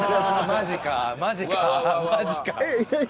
マジか。